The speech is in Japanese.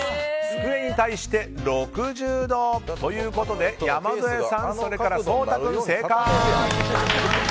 机に対して６０度。ということで山添さん、颯太君が正解！